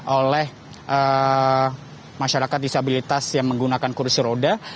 oleh masyarakat disabilitas yang menggunakan kursi roda